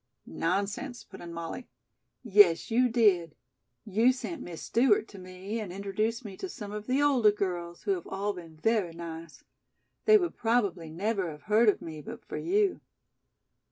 "Nonsense!" put in Molly. "Yes, you did. You sent Miss Stewart to me and introduced me to some of the older girls, who have all been very nice. They would probably never have heard of me but for you."